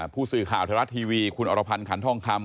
ผู้สื่อข่าวไทยรัฐทีวีคุณอรพันธ์ขันทองคำ